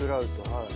はい。